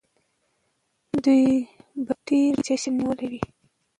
دوی به د بري جشن نیولی وي.